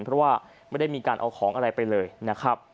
เพราะว่าไม่ได้มีการเอาของอะไรไปเลยนะครับ